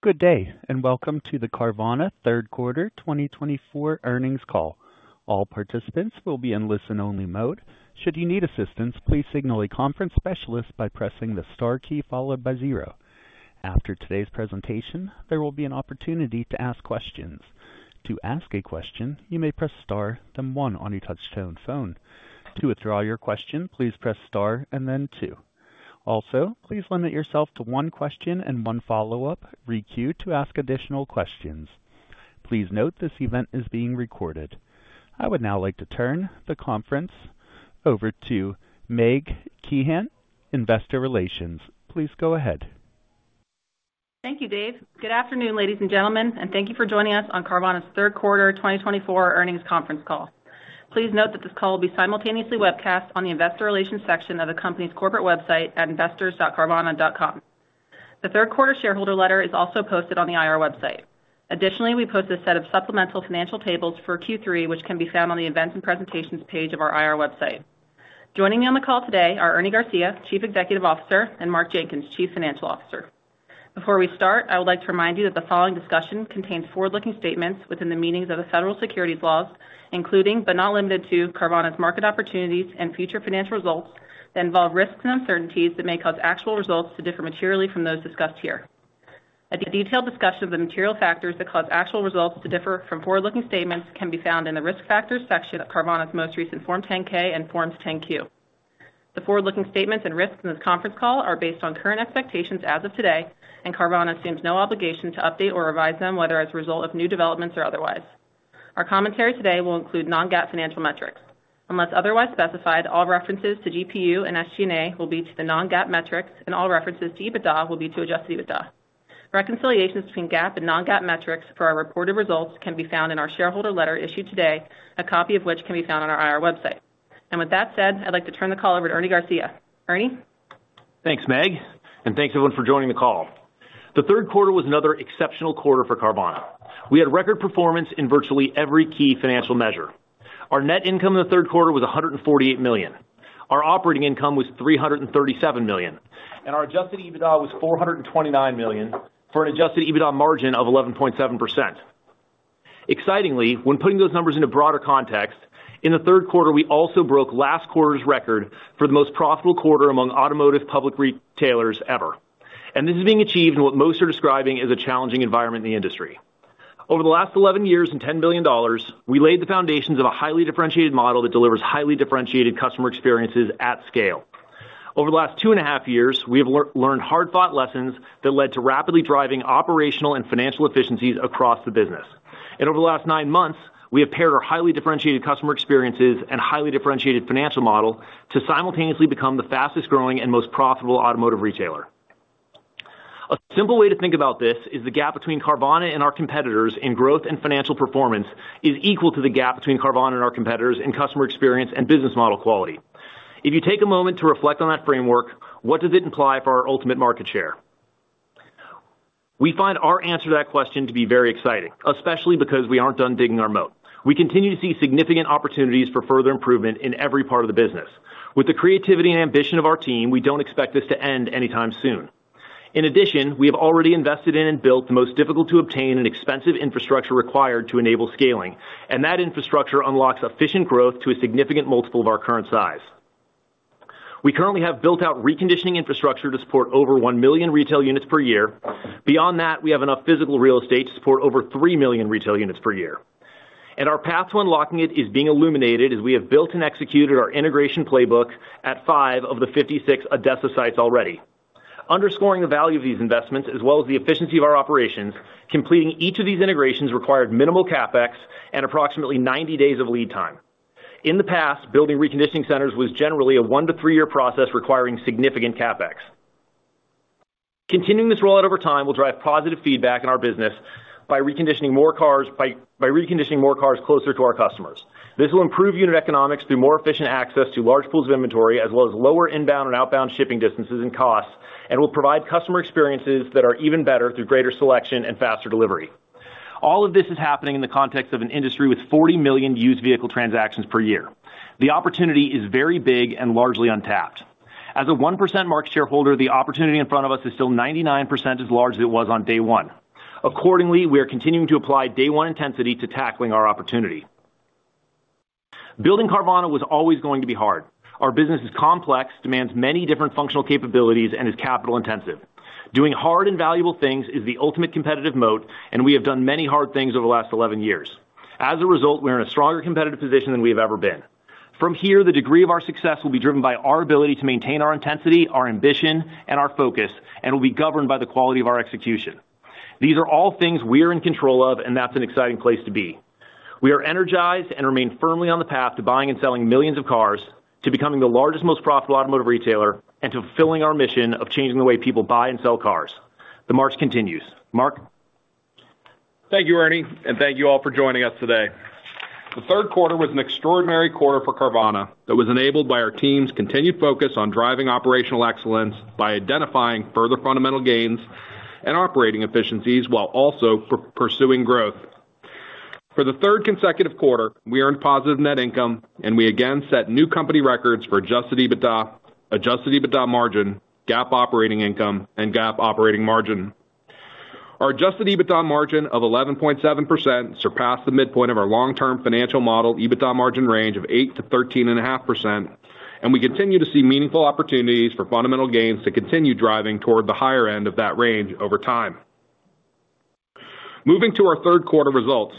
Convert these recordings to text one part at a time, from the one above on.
Good day, and welcome to the Carvana Q3 2024 earnings call. All participants will be in listen-only mode. Should you need assistance, please signal a conference specialist by pressing the star key followed by 0. After today's presentation, there will be an opportunity to ask questions. To ask a question, you may press star then 1 on your touch-tone phone. To withdraw your question, please press star and then 2. Also, please limit yourself to one question and one follow-up re-queue to ask additional questions. Please note this event is being recorded. I would now like to turn the conference over to Meg Kehan, Investor Relations. Please go ahead. Thank you, Dave. Good afternoon, ladies and gentlemen, and thank you for joining us on Carvana's Q3 2024 earnings conference call. Please note that this call will be simultaneously webcast on the Investor Relations section of the company's corporate website at investors.carvana.com. The Q3 shareholder letter is also posted on the IR website. Additionally, we post a set of supplemental financial tables for Q3, which can be found on the Events and Presentations page of our IR website. Joining me on the call today are Ernie Garcia, Chief Executive Officer, and Mark Jenkins, Chief Financial Officer. Before we start, I would like to remind you that the following discussion contains forward-looking statements within the meanings of the federal securities laws, including, but not limited to, Carvana's market opportunities and future financial results that involve risks and uncertainties that may cause actual results to differ materially from those discussed here. A detailed discussion of the material factors that cause actual results to differ from forward-looking statements can be found in the Risk Factors section of Carvana's most recent Form 10-K and Forms 10-Q. The forward-looking statements and risks in this conference call are based on current expectations as of today, and Carvana assumes no obligation to update or revise them whether as a result of new developments or otherwise. Our commentary today will include non-GAAP financial metrics. Unless otherwise specified, all references to GPU and SG&A will be to the non-GAAP metrics, and all references to EBITDA will be to adjusted EBITDA. Reconciliations between GAAP and non-GAAP metrics for our reported results can be found in our shareholder letter issued today, a copy of which can be found on our IR website. And with that said, I'd like to turn the call over to Ernie Garcia. Ernie. Thanks, Meg, and thanks everyone for joining the call. The Q3 was another exceptional quarter for Carvana. We had record performance in virtually every key financial measure. Our net income in the Q3 was $148 million. Our operating income was $337 million, and our Adjusted EBITDA was $429 million for an Adjusted EBITDA margin of 11.7%. Excitingly, when putting those numbers into broader context, in the Q3, we also broke last quarter's record for the most profitable quarter among automotive public retailers ever. And this is being achieved in what most are describing as a challenging environment in the industry. Over the last 11 years and $10 billion, we laid the foundations of a highly differentiated model that delivers highly differentiated customer experiences at scale. Over the last two and a half years, we have learned hard-fought lessons that led to rapidly driving operational and financial efficiencies across the business. Over the last nine months, we have paired our highly differentiated customer experiences and highly differentiated financial model to simultaneously become the fastest-growing and most profitable automotive retailer. A simple way to think about this is the gap between Carvana and our competitors in growth and financial performance is equal to the gap between Carvana and our competitors in customer experience and business model quality. If you take a moment to reflect on that framework, what does it imply for our ultimate market share? We find our answer to that question to be very exciting, especially because we aren't done digging our moat. We continue to see significant opportunities for further improvement in every part of the business. With the creativity and ambition of our team, we don't expect this to end anytime soon. In addition, we have already invested in and built the most difficult-to-obtain and expensive infrastructure required to enable scaling, and that infrastructure unlocks efficient growth to a significant multiple of our current size. We currently have built-out reconditioning infrastructure to support over one million retail units per year. Beyond that, we have enough physical real estate to support over three million retail units per year. Our path to unlocking it is being illuminated as we have built and executed our integration playbook at five of the 56 ADESA sites already. Underscoring the value of these investments, as well as the efficiency of our operations, completing each of these integrations required minimal CapEx and approximately 90 days of lead time. In the past, building reconditioning centers was generally a 1 to 3 year process requiring significant CapEx. Continuing this rollout over time will drive positive feedback in our business by reconditioning more cars closer to our customers. This will improve unit economics through more efficient access to large pools of inventory, as well as lower inbound and outbound shipping distances and costs, and will provide customer experiences that are even better through greater selection and faster delivery. All of this is happening in the context of an industry with 40 million used vehicle transactions per year. The opportunity is very big and largely untapped. As a 1% market shareholder, the opportunity in front of us is still 99% as large as it was on day one. Accordingly, we are continuing to apply day-one intensity to tackling our opportunity. Building Carvana was always going to be hard. Our business is complex, demands many different functional capabilities, and is capital-intensive. Doing hard and valuable things is the ultimate competitive moat, and we have done many hard things over the last 11 years. As a result, we are in a stronger competitive position than we have ever been. From here, the degree of our success will be driven by our ability to maintain our intensity, our ambition, and our focus, and will be governed by the quality of our execution. These are all things we are in control of, and that's an exciting place to be. We are energized and remain firmly on the path to buying and selling millions of cars, to becoming the largest, most profitable automotive retailer, and to fulfilling our mission of changing the way people buy and sell cars. The Mark continues. Mark. Thank you, Ernie, and thank you all for joining us today. The Q3 was an extraordinary quarter for Carvana that was enabled by our team's continued focus on driving operational excellence by identifying further fundamental gains and operating efficiencies while also pursuing growth. For the third consecutive quarter, we earned positive net income, and we again set new company records for Adjusted EBITDA, Adjusted EBITDA margin, GAAP operating income, and GAAP operating margin. Our Adjusted EBITDA margin of 11.7% surpassed the midpoint of our long-term financial model EBITDA margin range of 8%-13.5%, and we continue to see meaningful opportunities for fundamental gains to continue driving toward the higher end of that range over time. Moving to our Q3 results,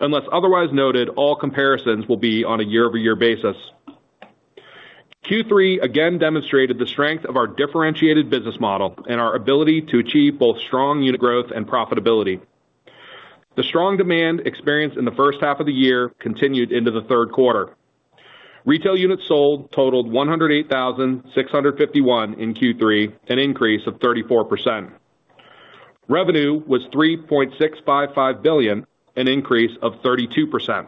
unless otherwise noted, all comparisons will be on a year-over-year basis. Q3 again demonstrated the strength of our differentiated business model and our ability to achieve both strong unit growth and profitability. The strong demand experienced in the first half of the year continued into the Q3. Retail units sold totaled 108,651 in Q3, an increase of 34%. Revenue was $3.655 billion, an increase of 32%.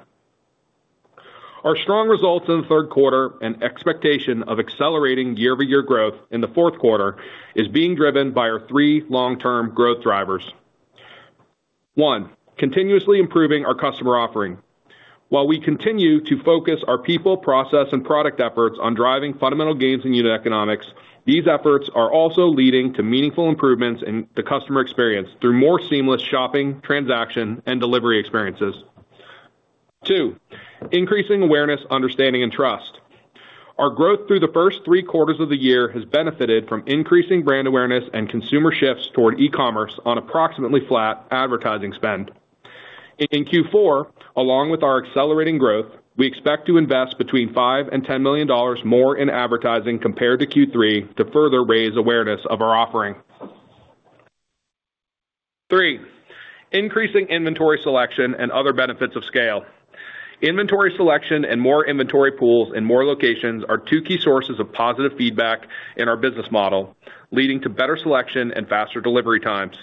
Our strong results in the Q3 and expectation of accelerating year-over-year growth in the Q4 is being driven by our three long-term growth drivers. One, continuously improving our customer offering. While we continue to focus our people, process, and product efforts on driving fundamental gains in unit economics, these efforts are also leading to meaningful improvements in the customer experience through more seamless shopping, transaction, and delivery experiences. Two, increasing awareness, understanding, and trust. Our growth through the first three quarters of the year has benefited from increasing brand awareness and consumer shifts toward e-commerce on approximately flat advertising spend. In Q4, along with our accelerating growth, we expect to invest between $5 and $10 million more in advertising compared to Q3 to further raise awareness of our offering. Three, increasing inventory selection and other benefits of scale. Inventory selection and more inventory pools in more locations are two key sources of positive feedback in our business model, leading to better selection and faster delivery times.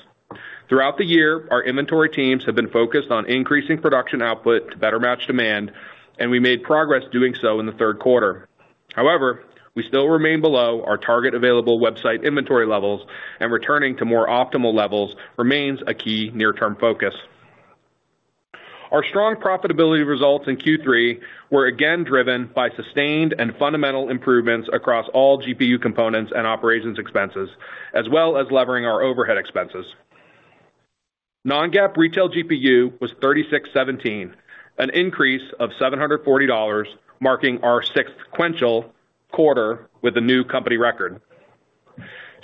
Throughout the year, our inventory teams have been focused on increasing production output to better match demand, and we made progress doing so in the Q3. However, we still remain below our target available website inventory levels, and returning to more optimal levels remains a key near-term focus. Our strong profitability results in Q3 were again driven by sustained and fundamental improvements across all GPU components and operations expenses, as well as levering our overhead expenses. Non-GAAP retail GPU was $3,617, an increase of $740, marking our sequential quarter with a new company record.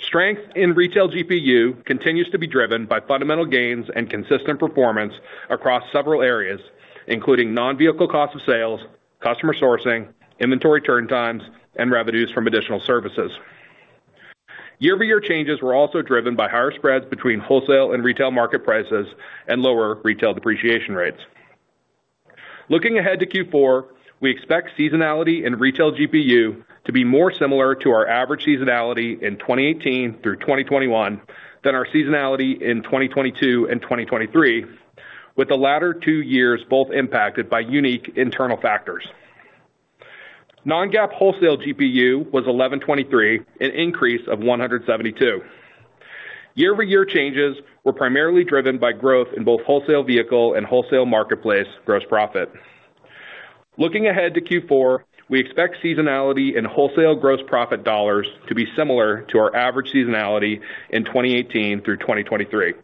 Strength in retail GPU continues to be driven by fundamental gains and consistent performance across several areas, including non-vehicle cost of sales, customer sourcing, inventory turn times, and revenues from additional services. Year-over-year changes were also driven by higher spreads between wholesale and retail market prices and lower retail depreciation rates. Looking ahead to Q4, we expect seasonality in retail GPU to be more similar to our average seasonality in 2018 through 2021 than our seasonality in 2022 and 2023, with the latter two years both impacted by unique internal factors. Non-GAAP wholesale GPU was $1,123, an increase of $172. Year-over-year changes were primarily driven by growth in both wholesale vehicle and wholesale marketplace gross profit. Looking ahead to Q4, we expect seasonality in wholesale gross profit dollars to be similar to our average seasonality in 2018 through 2023.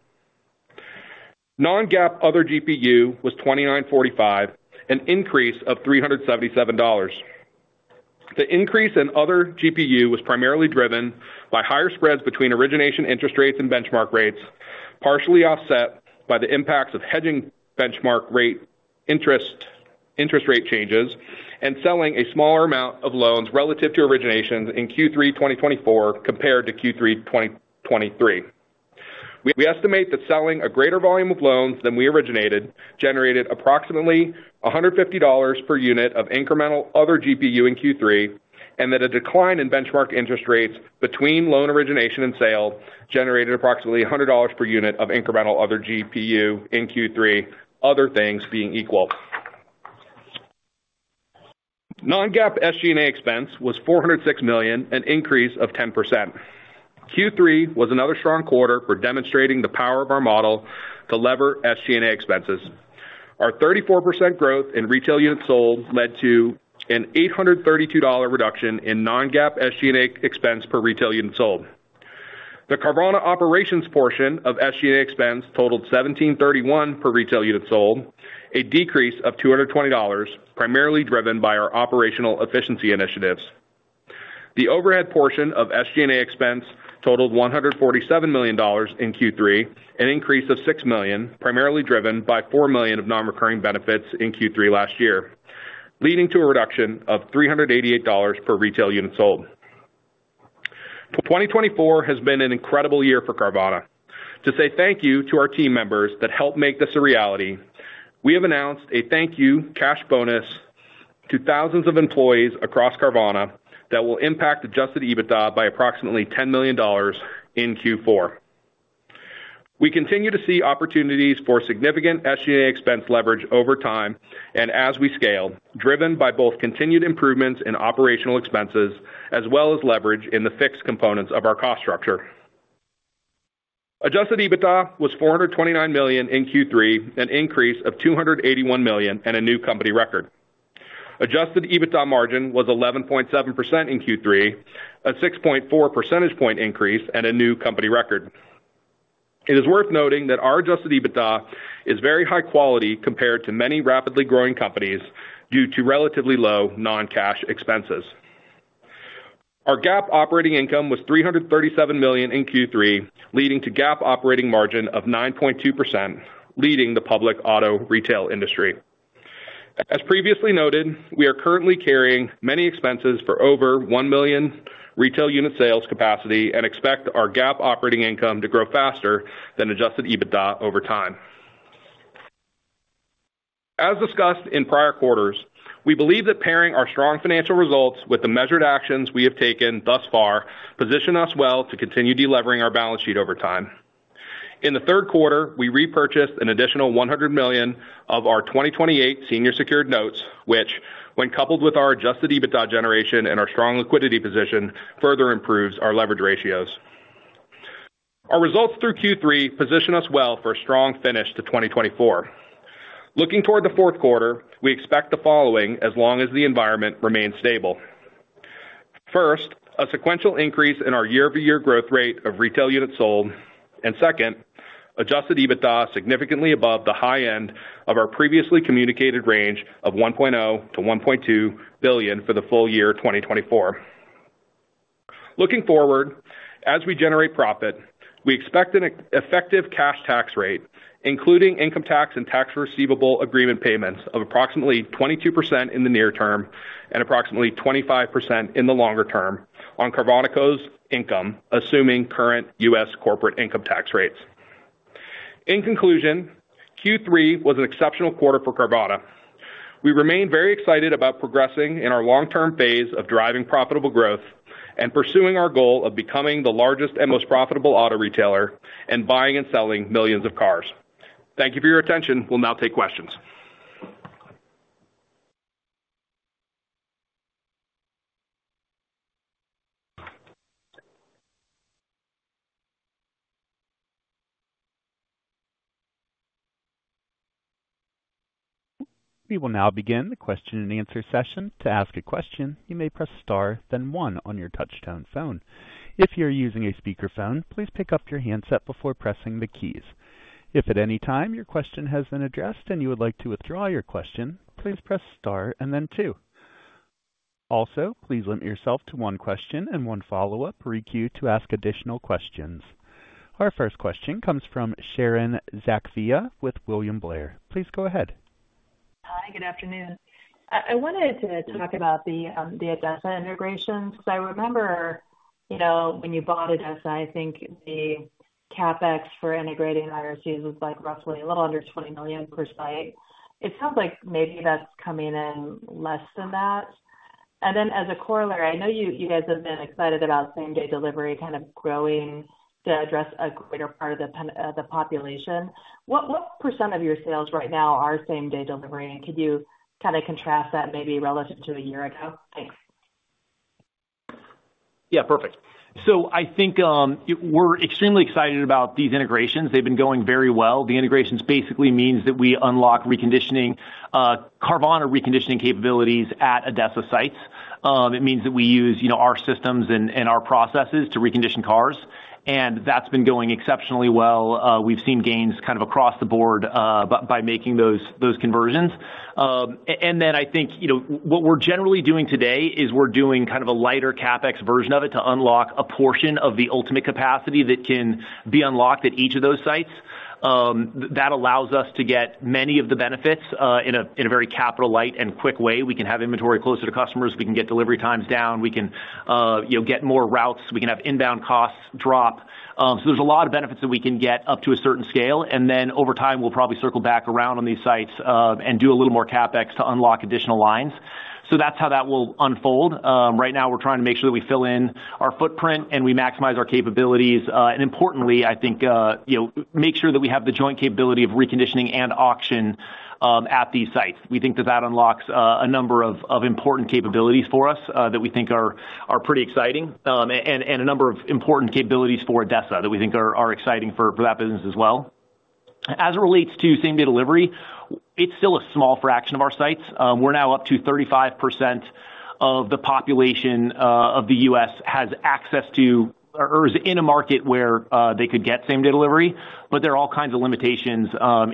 Non-GAAP other GPU was $2,945, an increase of $377. The increase in other GPU was primarily driven by higher spreads between origination interest rates and benchmark rates, partially offset by the impacts of hedging benchmark rate interest rate changes and selling a smaller amount of loans relative to originations in Q3 2024 compared to Q3 2023. We estimate that selling a greater volume of loans than we originated generated approximately $150 per unit of incremental other GPU in Q3, and that a decline in benchmark interest rates between loan origination and sale generated approximately $100 per unit of incremental other GPU in Q3, other things being equal. Non-GAAP SG&A expense was $406 million, an increase of 10%. Q3 was another strong quarter for demonstrating the power of our model to lever SG&A expenses. Our 34% growth in retail units sold led to an $832 reduction in non-GAAP SG&A expense per retail unit sold. The Carvana operations portion of SG&A expense totaled $1,731 per retail unit sold, a decrease of $220, primarily driven by our operational efficiency initiatives. The overhead portion of SG&A expense totaled $147 million in Q3, an increase of $6 million, primarily driven by $4 million of non-recurring benefits in Q3 last year, leading to a reduction of $388 per retail unit sold. 2024 has been an incredible year for Carvana. To say thank you to our team members that helped make this a reality, we have announced a thank you cash bonus to thousands of employees across Carvana that will impact Adjusted EBITDA by approximately $10 million in Q4. We continue to see opportunities for significant SG&A expense leverage over time and as we scale, driven by both continued improvements in operational expenses as well as leverage in the fixed components of our cost structure. Adjusted EBITDA was $429 million in Q3, an increase of $281 million and a new company record. Adjusted EBITDA margin was 11.7% in Q3, a 6.4 percentage point increase and a new company record. It is worth noting that our Adjusted EBITDA is very high quality compared to many rapidly growing companies due to relatively low non-cash expenses. Our GAAP operating income was $337 million in Q3, leading to GAAP operating margin of 9.2%, leading the public auto retail industry. As previously noted, we are currently carrying many expenses for over one million retail unit sales capacity and expect our GAAP operating income to grow faster than Adjusted EBITDA over time. As discussed in prior quarters, we believe that pairing our strong financial results with the measured actions we have taken thus far positions us well to continue delivering our balance sheet over time. In the Q3, we repurchased an additional $100 million of our 2028 senior secured notes, which, when coupled with our Adjusted EBITDA generation and our strong liquidity position, further improves our leverage ratios. Our results through Q3 position us well for a strong finish to 2024. Looking toward the Q4, we expect the following as long as the environment remains stable. First, a sequential increase in our year-over-year growth rate of retail units sold, and second, Adjusted EBITDA significantly above the high end of our previously communicated range of $1.0-$1.2 billion for the full year 2024. Looking forward, as we generate profit, we expect an effective cash tax rate, including income tax and tax receivable agreement payments of approximately 22% in the near term and approximately 25% in the longer term on Carvana Co.'s income, assuming current U.S. corporate income tax rates. In conclusion, Q3 was an exceptional quarter for Carvana. We remain very excited about progressing in our long-term phase of driving profitable growth and pursuing our goal of becoming the largest and most profitable auto retailer and buying and selling millions of cars. Thank you for your attention. We'll now take questions. We will now begin the question and answer session. To ask a question, you may press star, then 1 on your touch-tone phone. If you're using a speakerphone, please pick up your handset before pressing the keys. If at any time your question has been address and you would like to withdraw your question, please press star and then 2. Also, please limit yourself to one question and one follow-up requeue to ask additional questions. Our first question comes from Sharon Zackfia with William Blair. Please go ahead. Hi, good afternoon. I wanted to talk about the ADESA integration because I remember when you bought ADESA, I think the CapEx for integrating IRCs was roughly a little under $20 million per site. It sounds like maybe that's coming in less than that. And then as a corollary, I know you guys have been excited about same-day delivery kind of growing to address a greater part of the population. What % of your sales right now are same-day delivery? And could you kind of contrast that maybe relative to a year ago? Thanks. Yeah, perfect, so I think we're extremely excited about these integrations. They've been going very well. The integrations basically means that we unlock Carvana reconditioning capabilities at ADESA sites. It means that we use our systems and our processes to recondition cars, and that's been going exceptionally well. We've seen gains kind of across the board by making those conversions, and then I think what we're generally doing today is we're doing kind of a lighter CapEx version of it to unlock a portion of the ultimate capacity that can be unlocked at each of those sites. That allows us to get many of the benefits in a very capital-light and quick way. We can have inventory closer to customers. We can get delivery times down. We can get more routes. We can have inbound costs drop. So there's a lot of benefits that we can get up to a certain scale. And then over time, we'll probably circle back around on these sites and do a little more CapEx to unlock additional lines. So that's how that will unfold. Right now, we're trying to make sure that we fill in our footprint and we maximize our capabilities. And importantly, I think make sure that we have the joint capability of reconditioning and auction at these sites. We think that that unlocks a number of important capabilities for us that we think are pretty exciting and a number of important capabilities for ADESA that we think are exciting for that business as well. As it relates to same-day delivery, it's still a small fraction of our sites. We're now up to 35% of the population of the U.S. Has access to or is in a market where they could get same-day delivery, but there are all kinds of limitations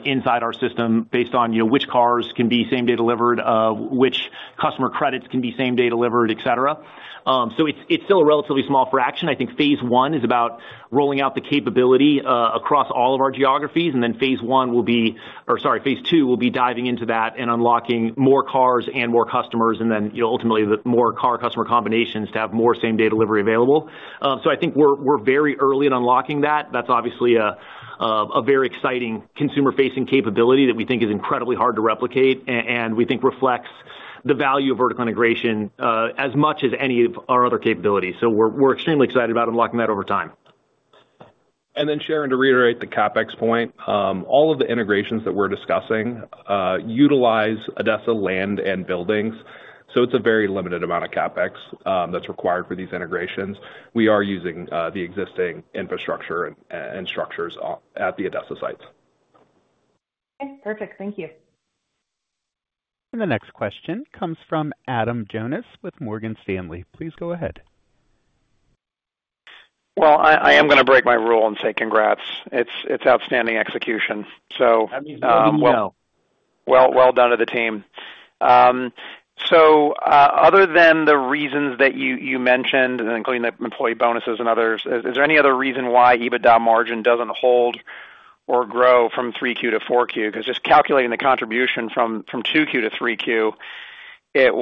inside our system based on which cars can be same-day delivered, which customer credits can be same-day delivered, etc. So it's still a relatively small fraction. I think phase one is about rolling out the capability across all of our geographies, and then phase one will be or sorry, phase two will be diving into that and unlocking more cars and more customers and then ultimately more car customer combinations to have more same-day delivery available. So I think we're very early in unlocking that. That's obviously a very exciting consumer-facing capability that we think is incredibly hard to replicate, and we think reflects the value of vertical integration as much as any of our other capabilities. So we're extremely excited about unlocking that over time. Sharon, to reiterate the CapEx point, all of the integrations that we're discussing utilize ADESA land and buildings. It's a very limited amount of CapEx that's required for these integrations. We are using the existing infrastructure and structures at the ADESA sites. Okay, perfect. Thank you. The next question comes from Adam Jonas with Morgan Stanley. Please go ahead. I am going to break my rule and say congrats. It's outstanding execution. So. That means nothing to know. Well done to the team. Other than the reasons that you mentioned, including the employee bonuses and others, is there any other reason why EBITDA margin doesn't hold or grow from 3Q to 4Q? Because just calculating the contribution from 2Q to 3Q, it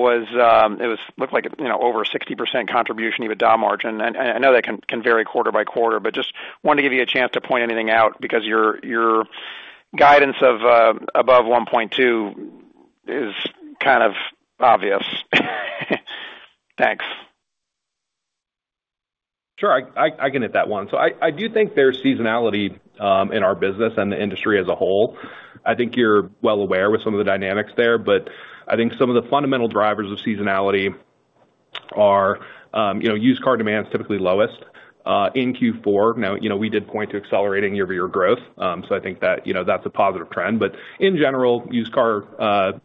looked like over 60% contribution EBITDA margin. I know that can vary quarter by quarter, but just wanted to give you a chance to point anything out because your guidance of above 1.2 is kind of obvious. Thanks. Sure, I can hit that one. So I do think there's seasonality in our business and the industry as a whole. I think you're well aware with some of the dynamics there, but I think some of the fundamental drivers of seasonality are used car demand is typically lowest. In Q4, we did point to accelerating year-over-year growth. So I think that that's a positive trend. But in general, used car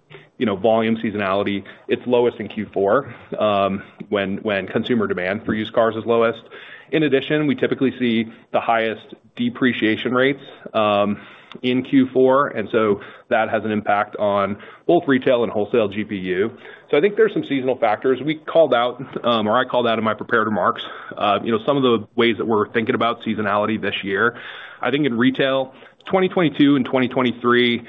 volume seasonality, it's lowest in Q4 when consumer demand for used cars is lowest. In addition, we typically see the highest depreciation rates in Q4, and so that has an impact on both retail and wholesale GPU. So I think there's some seasonal factors. We called out, or I called out in my prepared remarks, some of the ways that we're thinking about seasonality this year. I think in retail, 2022 and 2023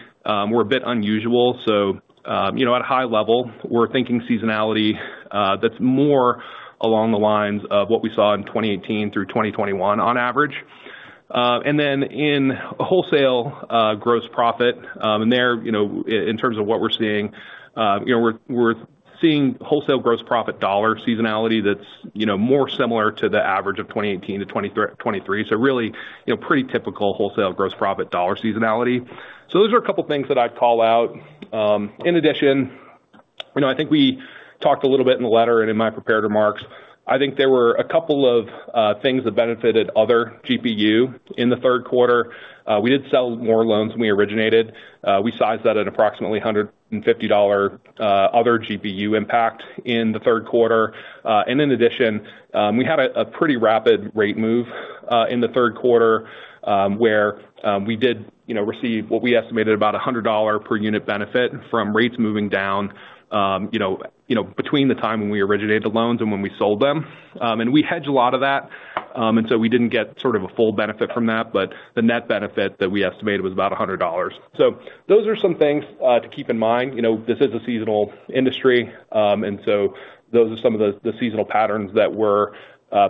were a bit unusual. So at a high level, we're thinking seasonality that's more along the lines of what we saw in 2018 through 2021 on average. And then in wholesale gross profit, and there in terms of what we're seeing, we're seeing wholesale gross profit dollar seasonality that's more similar to the average of 2018 to 2023. So really pretty typical wholesale gross profit dollar seasonality. So those are a couple of things that I'd call out. In addition, I think we talked a little bit in the letter and in my prepared remarks. I think there were a couple of things that benefited other GPU in the third quarter. We did sell more loans than we originated. We sized that at approximately $150 other GPU impact in the third quarter. And in addition, we had a pretty rapid rate move in the third quarter where we did receive what we estimated about $100 per unit benefit from rates moving down between the time when we originated the loans and when we sold them. And we hedged a lot of that, and so we didn't get sort of a full benefit from that, but the net benefit that we estimated was about $100. So those are some things to keep in mind. This is a seasonal industry, and so those are some of the seasonal patterns that we're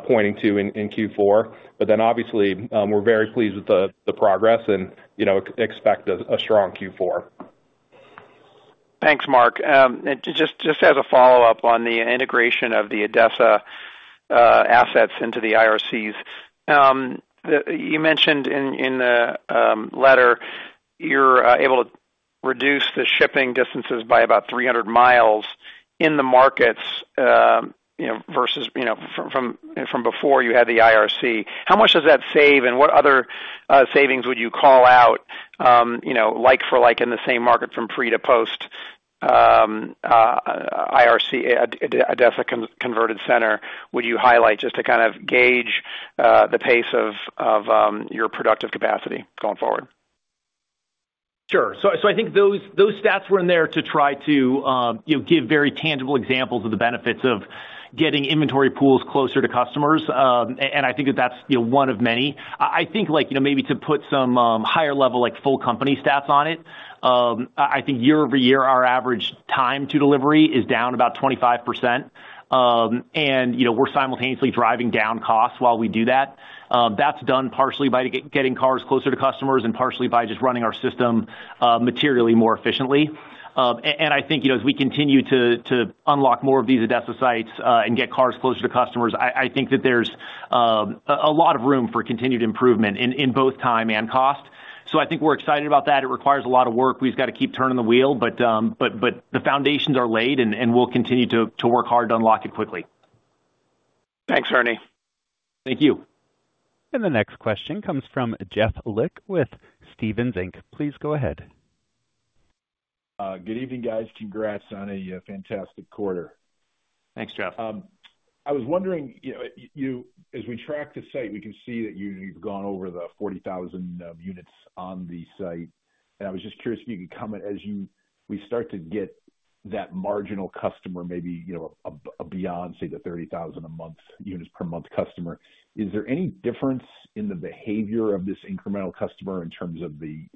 pointing to in Q4. But then obviously, we're very pleased with the progress and expect a strong Q4. Thanks, Mark. Just as a follow-up on the integration of the ADESA assets into the IRCs, you mentioned in the letter you're able to reduce the shipping distances by about 300 miles in the markets versus from before you had the IRC. How much does that save and what other savings would you call out like for like in the same market from pre to post IRC ADESA converted center would you highlight just to kind of gauge the pace of your productive capacity going forward? Sure. So I think those stats were in there to try to give very tangible examples of the benefits of getting inventory pools closer to customers. And I think that that's one of many. I think maybe to put some higher level full company stats on it, I think year over year, our average time to delivery is down about 25%, and we're simultaneously driving down costs while we do that. That's done partially by getting cars closer to customers and partially by just running our system materially more efficiently. And I think as we continue to unlock more of these ADESA sites and get cars closer to customers, I think that there's a lot of room for continued improvement in both time and cost. So I think we're excited about that. It requires a lot of work. We've got to keep turning the wheel, but the foundations are laid, and we'll continue to work hard to unlock it quickly. Thanks, Ernie. Thank you. The next question comes from Jeff Lick with Stephens Inc. Please go ahead. Good evening, guys. Congrats on a fantastic quarter. Thanks, Jeff. I was wondering, as we track the site, we can see that you've gone over the 40,000 units on the site. And I was just curious if you could comment as we start to get that marginal customer, maybe above, say, the 30,000 a month units per month customer. Is there any difference in the behavior of this incremental customer in terms of the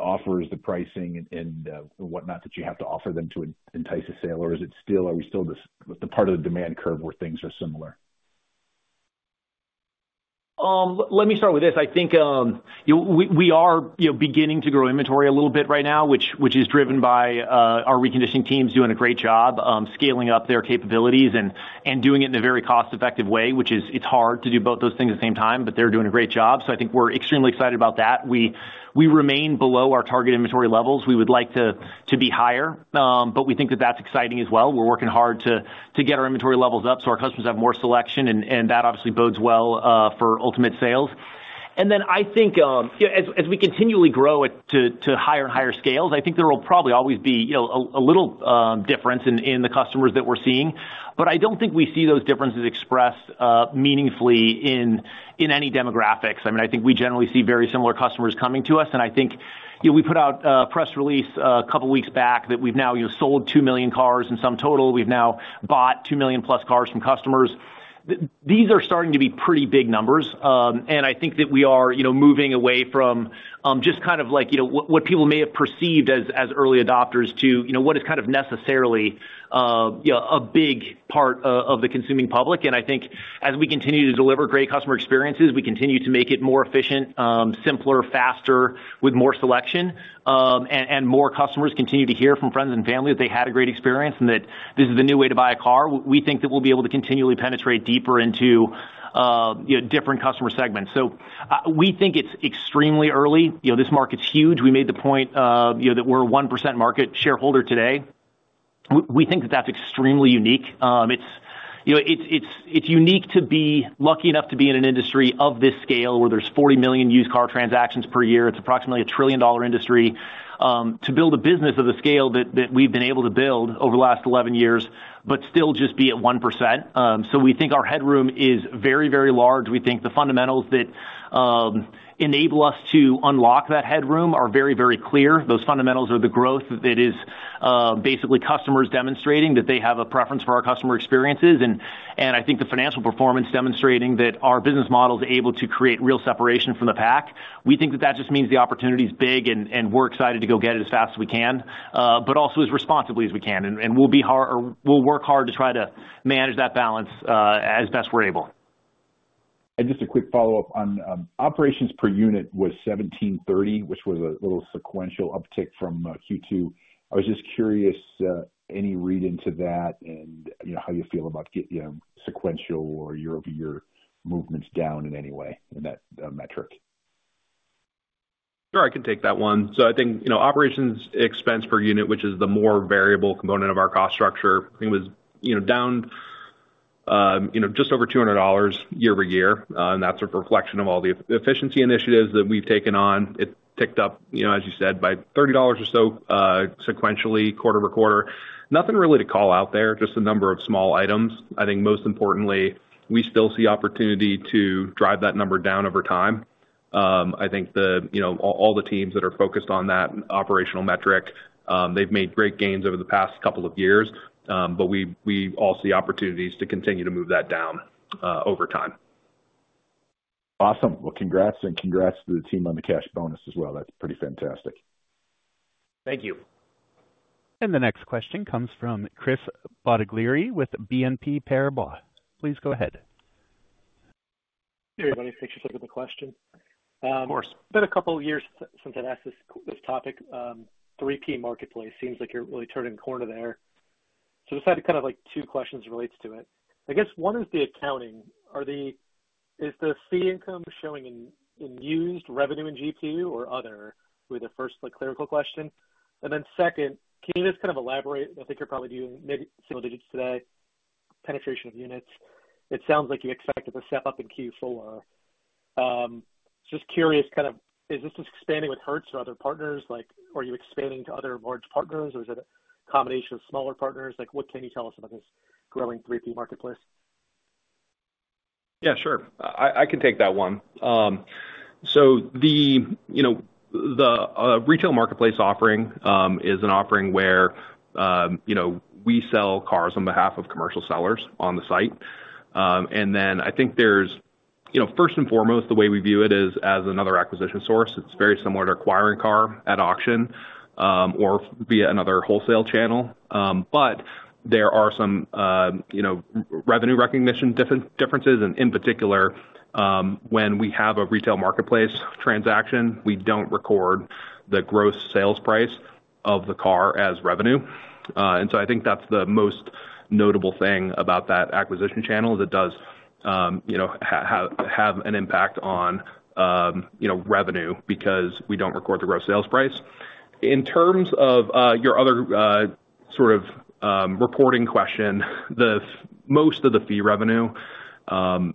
offers, the pricing, and whatnot that you have to offer them to entice a sale? Or are we still at the part of the demand curve where things are similar? Let me start with this. I think we are beginning to grow inventory a little bit right now, which is driven by our reconditioning teams doing a great job scaling up their capabilities and doing it in a very cost-effective way, which is, it's hard to do both those things at the same time, but they're doing a great job. So I think we're extremely excited about that. We remain below our target inventory levels. We would like to be higher, but we think that that's exciting as well. We're working hard to get our inventory levels up so our customers have more selection, and that obviously bodes well for ultimate sales. And then I think as we continually grow to higher and higher scales, I think there will probably always be a little difference in the customers that we're seeing, but I don't think we see those differences expressed meaningfully in any demographics. I mean, I think we generally see very similar customers coming to us, and I think we put out a press release a couple of weeks back that we've now sold two million cars in sum total. We've now bought two million plus cars from customers. These are starting to be pretty big numbers, and I think that we are moving away from just kind of what people may have perceived as early adopters to what is kind of necessarily a big part of the consuming public. I think as we continue to deliver great customer experiences, we continue to make it more efficient, simpler, faster, with more selection, and more customers continue to hear from friends and family that they had a great experience and that this is the new way to buy a car. We think that we'll be able to continually penetrate deeper into different customer segments. So we think it's extremely early. This market's huge. We made the point that we're a 1% market share today. We think that that's extremely unique. It's unique to be lucky enough to be in an industry of this scale where there's 40 million used car transactions per year. It's approximately a trillion-dollar industry to build a business of the scale that we've been able to build over the last 11 years, but still just be at 1%. So we think our headroom is very, very large. We think the fundamentals that enable us to unlock that headroom are very, very clear. Those fundamentals are the growth that is basically customers demonstrating that they have a preference for our customer experiences. And I think the financial performance demonstrating that our business model is able to create real separation from the pack. We think that that just means the opportunity is big, and we're excited to go get it as fast as we can, but also as responsibly as we can. And we'll work hard to try to manage that balance as best we're able. Just a quick follow-up on operations per unit was 1,730, which was a little sequential uptick from Q2. I was just curious any read into that and how you feel about sequential or year-over-year movements down in any way in that metric. Sure, I can take that one. So I think operations expense per unit, which is the more variable component of our cost structure, was down just over $200 year-over-year. And that's a reflection of all the efficiency initiatives that we've taken on. It ticked up, as you said, by $30 or so sequentially quarter over quarter. Nothing really to call out there, just a number of small items. I think most importantly, we still see opportunity to drive that number down over time. I think all the teams that are focused on that operational metric, they've made great gains over the past couple of years, but we all see opportunities to continue to move that down over time. Awesome. Well, congrats and congrats to the team on the cash bonus as well. That's pretty fantastic. Thank you. And the next question comes from Chris Bottiglieri with BNP Paribas. Please go ahead. Hey everybody, thanks for taking the question. Of course. It's been a couple of years since I've asked this topic. 3P Marketplace seems like you're really turning the corner there. So just had kind of two questions related to it. I guess one is the accounting. Is the fee income showing in used revenue in GPU or other? It would be the first clear question. And then second, can you just kind of elaborate? I think you're probably doing maybe single digits today. Penetration of units. It sounds like you expected the step up in Q4. Just curious, kind of is this expanding with Hertz or other partners? Are you expanding to other large partners, or is it a combination of smaller partners? What can you tell us about this growing 3P Marketplace? Yeah, sure. I can take that one. So the retail marketplace offering is an offering where we sell cars on behalf of commercial sellers on the site. And then I think there's first and foremost, the way we view it is as another acquisition source. It's very similar to acquiring a car at auction or via another wholesale channel. But there are some revenue recognition differences. And in particular, when we have a retail marketplace transaction, we don't record the gross sales price of the car as revenue. And so I think that's the most notable thing about that acquisition channel is it does have an impact on revenue because we don't record the gross sales price. In terms of your other sort of reporting question, most of the fee revenue, to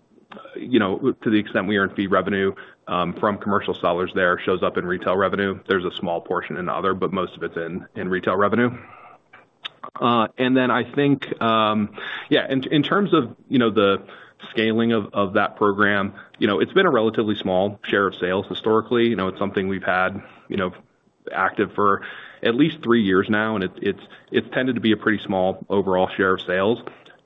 the extent we earn fee revenue from commercial sellers there shows up in retail revenue. There's a small portion in other, but most of it's in retail revenue. And then I think, yeah, in terms of the scaling of that program, it's been a relatively small share of sales historically. It's something we've had active for at least three years now, and it's tended to be a pretty small overall share of sales.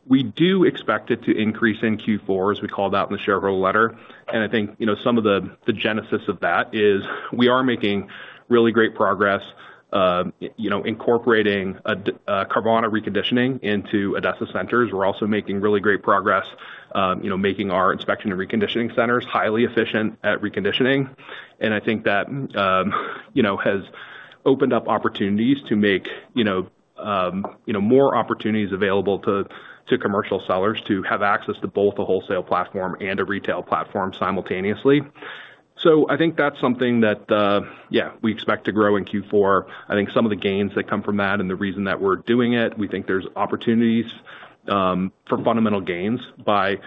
We do expect it to increase in Q4, as we called out in the shareholder letter. And I think some of the genesis of that is we are making really great progress incorporating Carvana Reconditioning into ADESA centers. We're also making really great progress making our inspection and reconditioning centers highly efficient at reconditioning. And I think that has opened up opportunities to make more opportunities available to commercial sellers to have access to both a wholesale platform and a retail platform simultaneously. So I think that's something that, yeah, we expect to grow in Q4. I think some of the gains that come from that and the reason that we're doing it, we think there's opportunities for fundamental gains by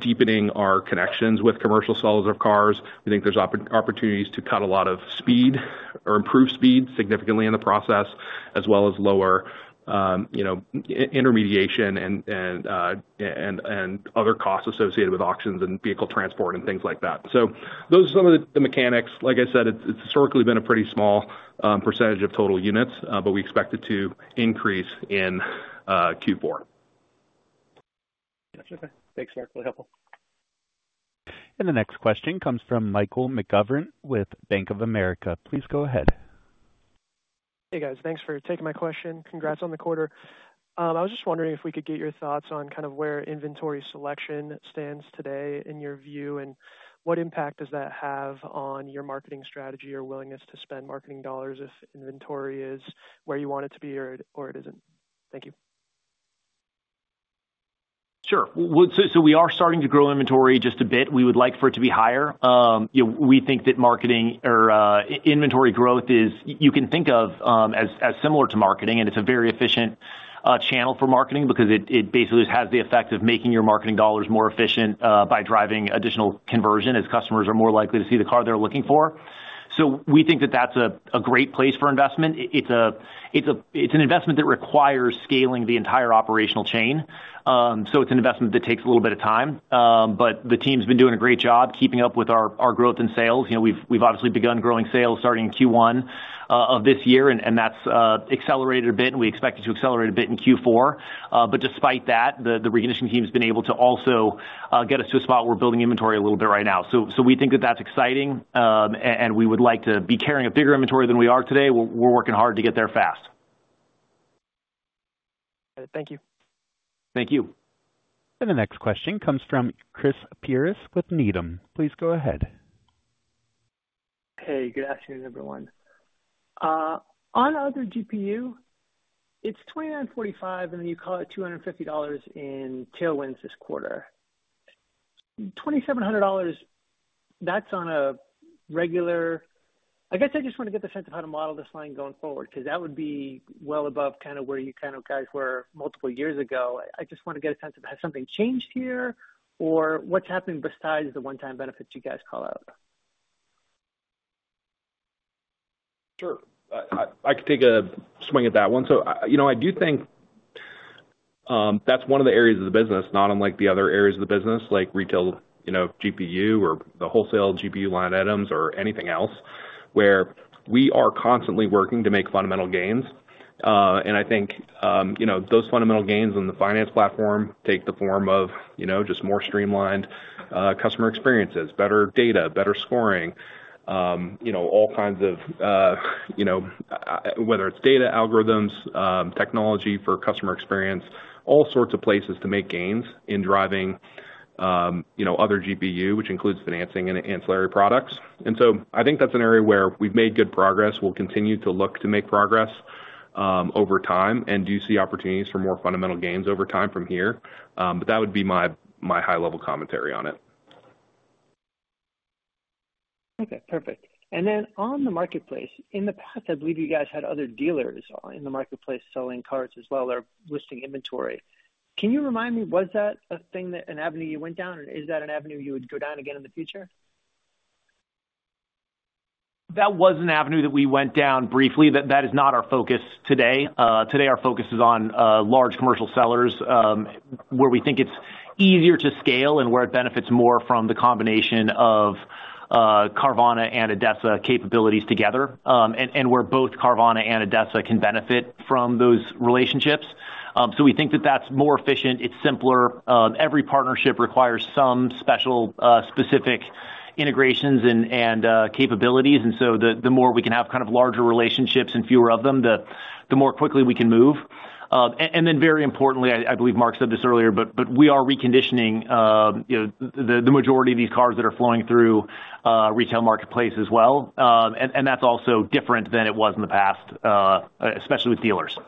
deepening our connections with commercial sellers of cars. We think there's opportunities to cut a lot of speed or improve speed significantly in the process, as well as lower intermediation and other costs associated with auctions and vehicle transport and things like that. So those are some of the mechanics. Like I said, it's historically been a pretty small percentage of total units, but we expect it to increase in Q4. Thanks, Mark. Really helpful. And the next question comes from Michael McGovern with Bank of America. Please go ahead. Hey, guys. Thanks for taking my question. Congrats on the quarter. I was just wondering if we could get your thoughts on kind of where inventory selection stands today in your view, and what impact does that have on your marketing strategy or willingness to spend marketing dollars if inventory is where you want it to be or it isn't? Thank you. Sure. So we are starting to grow inventory just a bit. We would like for it to be higher. We think that marketing or inventory growth is you can think of as similar to marketing, and it's a very efficient channel for marketing because it basically has the effect of making your marketing dollars more efficient by driving additional conversion as customers are more likely to see the car they're looking for. So we think that that's a great place for investment. It's an investment that requires scaling the entire operational chain. So it's an investment that takes a little bit of time, but the team's been doing a great job keeping up with our growth in sales. We've obviously begun growing sales starting in Q1 of this year, and that's accelerated a bit, and we expect it to accelerate a bit in Q4. But despite that, the reconditioning team's been able to also get us to a spot where we're building inventory a little bit right now. So we think that that's exciting, and we would like to be carrying a bigger inventory than we are today. We're working hard to get there fast. Thank you. Thank you. And the next question comes from Chris Pierce with Needham. Please go ahead. Hey, good afternoon, everyone. On other GPU, it's $2,945, and then you call it $250 in tailwinds this quarter. $2,700, that's on a regular. I guess I just want to get the sense of how to model this line going forward because that would be well above kind of where you kind of guys were multiple years ago. I just want to get a sense of has something changed here or what's happening besides the one-time benefits you guys call out? Sure. I can take a swing at that one. So I do think that's one of the areas of the business, not unlike the other areas of the business, like retail GPU or the wholesale GPU line items or anything else, where we are constantly working to make fundamental gains. And I think those fundamental gains in the finance platform take the form of just more streamlined customer experiences, better data, better scoring, all kinds of whether it's data algorithms, technology for customer experience, all sorts of places to make gains in driving other GPU, which includes financing and ancillary products. And so I think that's an area where we've made good progress. We'll continue to look to make progress over time and do see opportunities for more fundamental gains over time from here. But that would be my high-level commentary on it. Okay, perfect. And then on the marketplace, in the past, I believe you guys had other dealers in the marketplace selling cars as well or listing inventory. Can you remind me, was that a thing that an avenue you went down, or is that an avenue you would go down again in the future? That was an avenue that we went down briefly. That is not our focus today. Today, our focus is on large commercial sellers where we think it's easier to scale and where it benefits more from the combination of Carvana and ADESA capabilities together, and where both Carvana and ADESA can benefit from those relationships. So we think that that's more efficient. It's simpler. Every partnership requires some special specific integrations and capabilities. And so the more we can have kind of larger relationships and fewer of them, the more quickly we can move. And then very importantly, I believe Mark said this earlier, but we are reconditioning the majority of these cars that are flowing through retail marketplace as well. And that's also different than it was in the past, especially with dealers.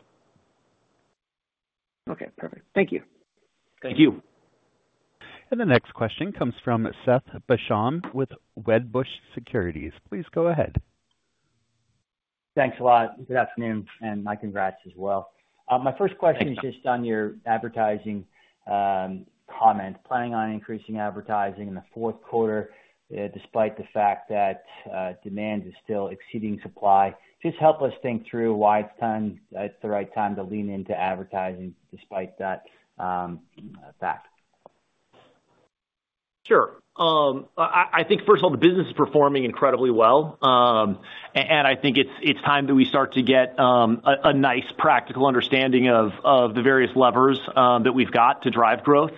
Okay, perfect. Thank you. Thank you. The next question comes from Seth Basham with Wedbush Securities. Please go ahead. Thanks a lot. Good afternoon, and my congrats as well. My first question is just on your advertising comment. Planning on increasing advertising in the fourth quarter despite the fact that demand is still exceeding supply. Just help us think through why it's the right time to lean into advertising despite that fact. Sure. I think, first of all, the business is performing incredibly well. And I think it's time that we start to get a nice practical understanding of the various levers that we've got to drive growth.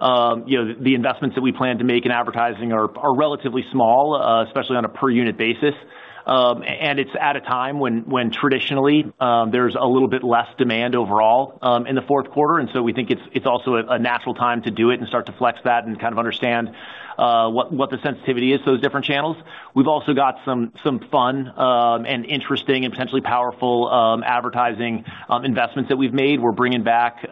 The investments that we plan to make in advertising are relatively small, especially on a per-unit basis. And it's at a time when traditionally there's a little bit less demand overall in the fourth quarter. And so we think it's also a natural time to do it and start to flex that and kind of understand what the sensitivity is to those different channels. We've also got some fun and interesting and potentially powerful advertising investments that we've made. We're bringing back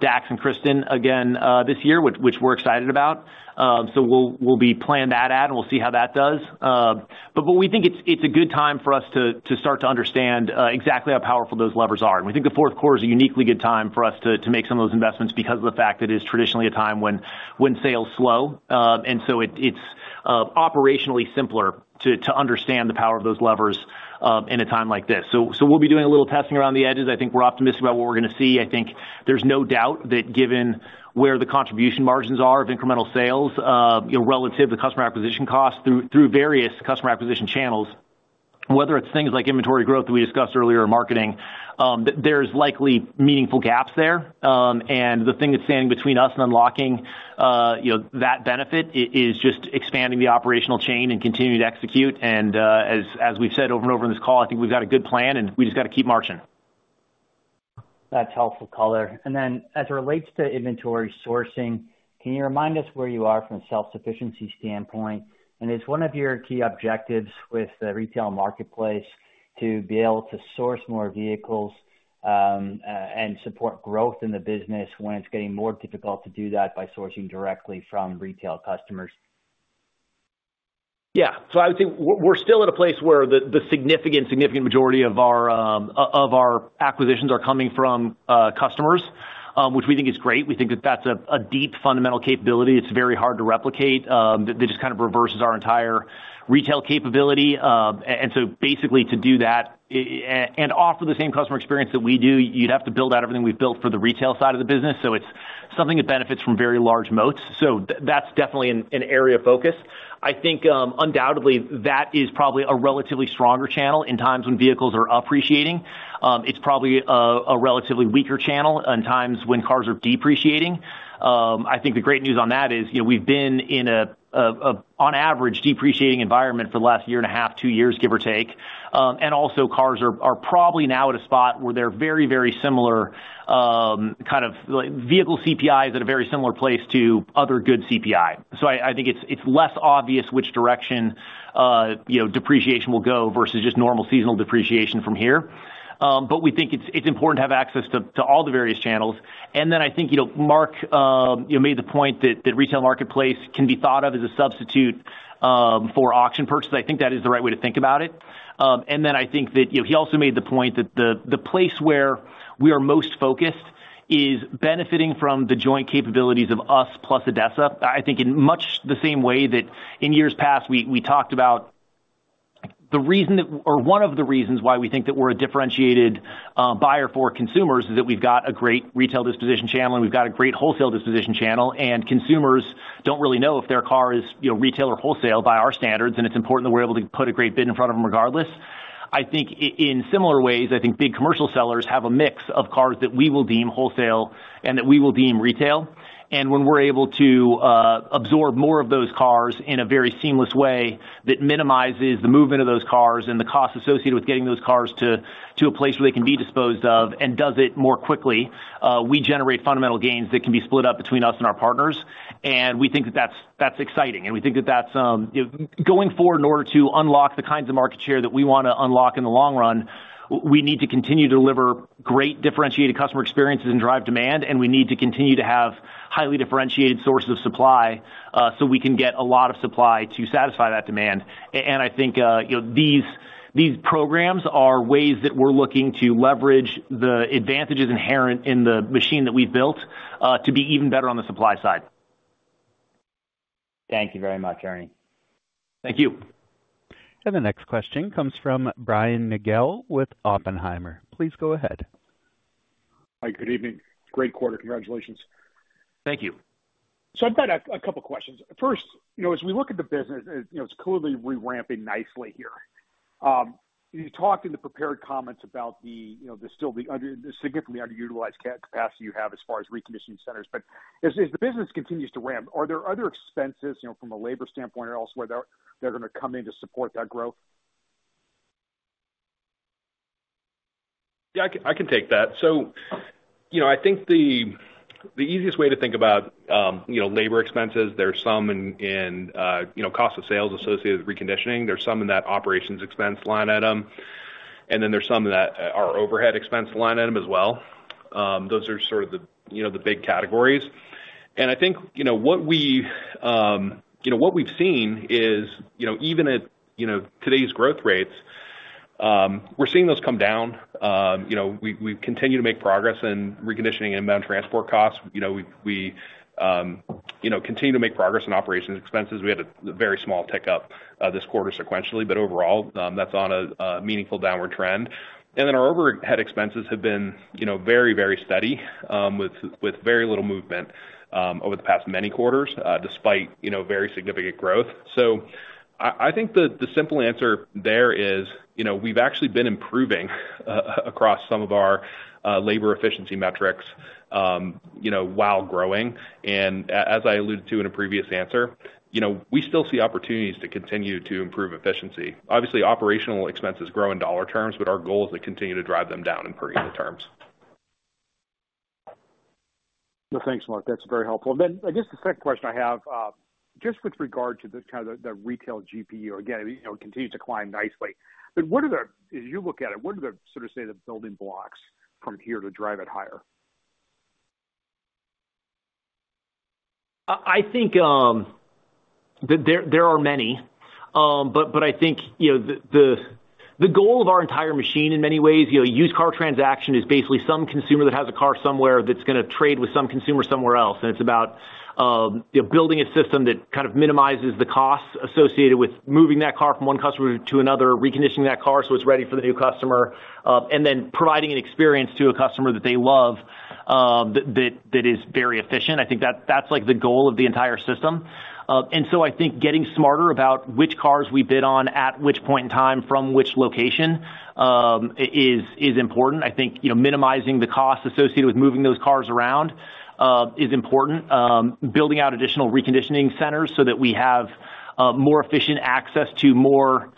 Dax and Kristen again this year, which we're excited about. So we'll be playing that ad, and we'll see how that does. But we think it's a good time for us to start to understand exactly how powerful those levers are. And we think the fourth quarter is a uniquely good time for us to make some of those investments because of the fact that it is traditionally a time when sales slow. And so it's operationally simpler to understand the power of those levers in a time like this. So we'll be doing a little testing around the edges. I think we're optimistic about what we're going to see. I think there's no doubt that given where the contribution margins are of incremental sales relative to customer acquisition costs through various customer acquisition channels, whether it's things like inventory growth that we discussed earlier or marketing, there's likely meaningful gaps there. The thing that's standing between us and unlocking that benefit is just expanding the operational chain and continuing to execute. As we've said over and over in this call, I think we've got a good plan, and we just got to keep marching. That's helpful color, and then as it relates to inventory sourcing, can you remind us where you are from a self-sufficiency standpoint, and is one of your key objectives with the retail marketplace to be able to source more vehicles and support growth in the business when it's getting more difficult to do that by sourcing directly from retail customers? Yeah. So I would say we're still at a place where the significant, significant majority of our acquisitions are coming from customers, which we think is great. We think that that's a deep fundamental capability. It's very hard to replicate. That just kind of reverses our entire retail capability. And so basically to do that and offer the same customer experience that we do, you'd have to build out everything we've built for the retail side of the business. So it's something that benefits from very large moats. So that's definitely an area of focus. I think undoubtedly that is probably a relatively stronger channel in times when vehicles are appreciating. It's probably a relatively weaker channel in times when cars are depreciating. I think the great news on that is we've been in an, on average, depreciating environment for the last year and a half, two years, give or take, and also cars are probably now at a spot where they're very, very similar kind of vehicle CPIs at a very similar place to other goods CPI, so I think it's less obvious which direction depreciation will go versus just normal seasonal depreciation from here, but we think it's important to have access to all the various channels, and then I think Mark made the point that retail marketplace can be thought of as a substitute for auction purchase, I think that is the right way to think about it, and then I think that he also made the point that the place where we are most focused is benefiting from the joint capabilities of us plus ADESA. I think in much the same way that in years past we talked about the reason that or one of the reasons why we think that we're a differentiated buyer for consumers is that we've got a great retail disposition channel and we've got a great wholesale disposition channel, and consumers don't really know if their car is retail or wholesale by our standards, and it's important that we're able to put a great bid in front of them regardless. I think in similar ways, I think big commercial sellers have a mix of cars that we will deem wholesale and that we will deem retail. When we're able to absorb more of those cars in a very seamless way that minimizes the movement of those cars and the cost associated with getting those cars to a place where they can be disposed of and does it more quickly, we generate fundamental gains that can be split up between us and our partners. We think that that's exciting. We think that that's going forward in order to unlock the kinds of market share that we want to unlock in the long run, we need to continue to deliver great differentiated customer experiences and drive demand, and we need to continue to have highly differentiated sources of supply so we can get a lot of supply to satisfy that demand. I think these programs are ways that we're looking to leverage the advantages inherent in the machine that we've built to be even better on the supply side. Thank you very much, Ernie. Thank you. The next question comes from Brian Nagel with Oppenheimer. Please go ahead. Hi, good evening. Great quarter. Congratulations. Thank you. So I've got a couple of questions. First, as we look at the business, it's clearly ramping nicely here. You talked in the prepared comments about the significantly underutilized capacity you have as far as reconditioning centers. But as the business continues to ramp, are there other expenses from a labor standpoint or elsewhere that are going to come in to support that growth? Yeah, I can take that. So I think the easiest way to think about labor expenses, there's some in cost of sales associated with reconditioning. There's some in that operations expense line item. And then there's some in that our overhead expense line item as well. Those are sort of the big categories. And I think what we've seen is even at today's growth rates, we're seeing those come down. We continue to make progress in reconditioning and inbound transport costs. We continue to make progress in operations expenses. We had a very small tick up this quarter sequentially, but overall, that's on a meaningful downward trend. And then our overhead expenses have been very, very steady with very little movement over the past many quarters despite very significant growth. So I think the simple answer there is we've actually been improving across some of our labor efficiency metrics while growing. And as I alluded to in a previous answer, we still see opportunities to continue to improve efficiency. Obviously, operational expenses grow in dollar terms, but our goal is to continue to drive them down in per-unit terms. Thanks, Mark. That's very helpful. And then I guess the second question I have, just with regard to the kind of retail GPU, again, it continues to climb nicely. But what are the, as you look at it, sort of, say, building blocks from here to drive it higher? I think that there are many, but I think the goal of our entire machine in many ways, used car transaction is basically some consumer that has a car somewhere that's going to trade with some consumer somewhere else, and it's about building a system that kind of minimizes the costs associated with moving that car from one customer to another, reconditioning that car so it's ready for the new customer, and then providing an experience to a customer that they love that is very efficient. I think that's like the goal of the entire system, so I think getting smarter about which cars we bid on at which point in time from which location is important. I think minimizing the costs associated with moving those cars around is important. Building out additional reconditioning centers so that we have more efficient access to more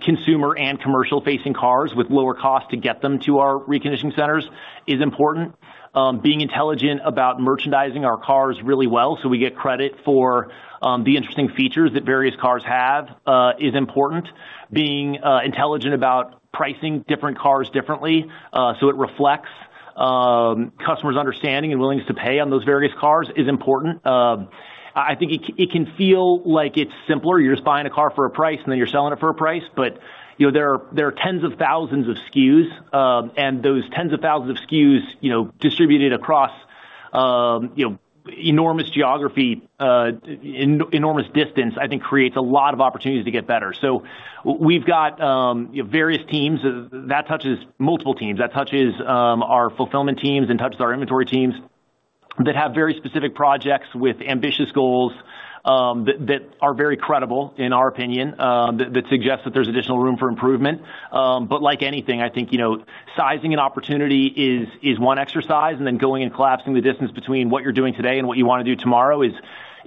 consumer and commercial-facing cars with lower costs to get them to our reconditioning centers is important. Being intelligent about merchandising our cars really well so we get credit for the interesting features that various cars have is important. Being intelligent about pricing different cars differently so it reflects customers' understanding and willingness to pay on those various cars is important. I think it can feel like it's simpler. You're just buying a car for a price, and then you're selling it for a price. But there are tens of thousands of SKUs, and those tens of thousands of SKUs distributed across enormous geography, enormous distance, I think creates a lot of opportunities to get better. So we've got various teams that touches multiple teams. That touches our fulfillment teams and touches our inventory teams that have very specific projects with ambitious goals that are very credible, in our opinion, that suggests that there's additional room for improvement. But like anything, I think sizing an opportunity is one exercise, and then going and collapsing the distance between what you're doing today and what you want to do tomorrow is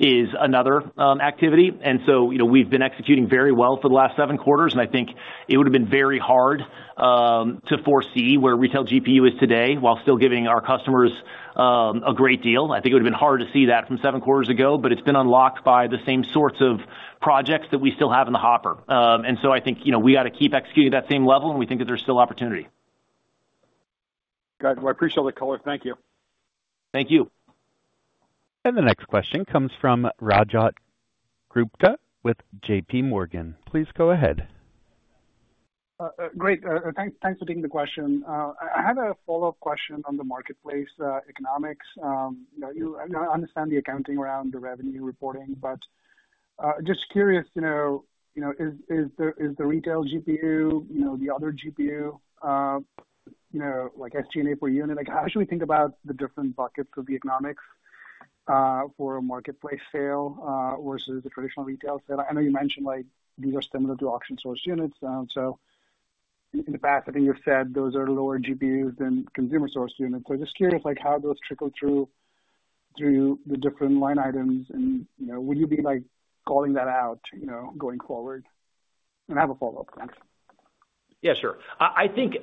another activity. And so we've been executing very well for the last seven quarters, and I think it would have been very hard to foresee where retail GPU is today while still giving our customers a great deal. I think it would have been hard to see that from seven quarters ago, but it's been unlocked by the same sorts of projects that we still have in the hopper. And so I think we got to keep executing at that same level, and we think that there's still opportunity. Good. Well, I appreciate all the color. Thank you. Thank you. The next question comes from Rajat Gupta with JPMorgan. Please go ahead. Great. Thanks for taking the question. I had a follow-up question on the marketplace economics. I understand the accounting around the revenue reporting, but just curious, is the retail GPU, the other GPU, like SG&A per unit, how should we think about the different buckets of the economics for a marketplace sale versus the traditional retail sale? I know you mentioned these are similar to auction-sourced units. So in the past, I think you've said those are lower GPUs than consumer-sourced units. So I'm just curious how those trickle through the different line items, and would you be calling that out going forward? And I have a follow-up. Thanks. Yeah, sure. I think